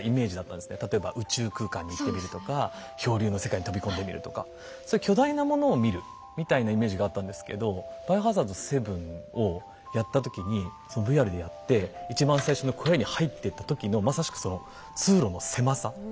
例えば宇宙空間に行ってみるとか恐竜の世界に飛び込んでみるとかそういう巨大なものを見るみたいなイメージがあったんですけど「バイオハザード７」をやった時にそのＶＲでやって一番最初の小屋に入ってった時のまさしくその通路の狭さ。